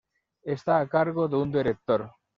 Está a cargo de un Director.